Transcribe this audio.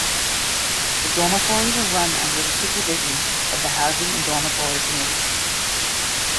The dormitories are run under the supervision of the Housing and Dormitory Committee.